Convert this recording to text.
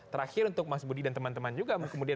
terakhir untuk mas budi dan teman teman juga